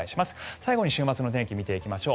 最後に週末の天気を見ていきましょう。